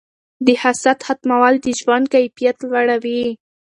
د حسد ختمول د ژوند کیفیت لوړوي.